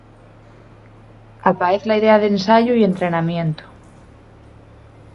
Apaez la idea d'ensayu y entrenamientu.